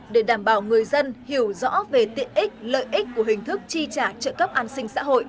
để đảm bảo người dân hiểu rõ về tiện ích lợi ích của hình thức chi trả trợ cấp an sinh xã hội